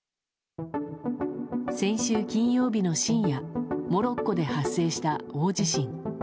先週金曜日の深夜、モロッコで発生した大地震。